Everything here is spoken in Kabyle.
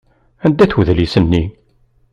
Anda-t wedlis-nni?